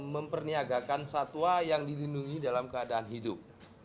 memperniagakan satwa yang dilindungi dalam keadaan hidup